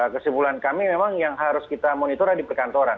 kesimpulan kami memang yang harus kita monitor adalah di perkantoran